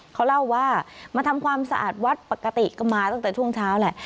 เขาเล่าว่ามาทำความสะอาดวัดปกติก็มาตั้งแต่ช่วงเช้าแหละ